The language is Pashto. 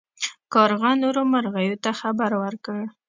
کارغه نورو مرغیو ته خبر ورکړ.